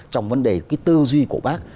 trong vấn đề cái tư duy của bác